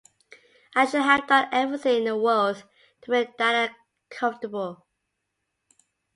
I should have done everything in the world to make Diana comfortable.